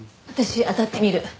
私あたってみる。